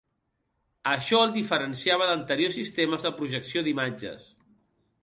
Això el diferenciava d'anteriors sistemes de projecció d'imatges.